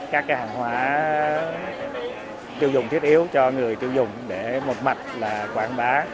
các hàng hóa tiêu dùng thiết yếu cho người tiêu dùng để một mặt là quảng bá